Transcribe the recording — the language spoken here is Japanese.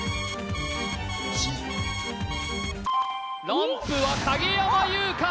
ランプは影山優佳